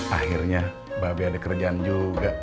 akhirnya mbak be ada kerjaan juga